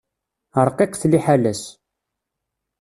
Ṛqiqet liḥala-s.